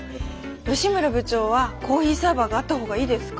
吉村部長はコーヒーサーバーがあった方がいいですか？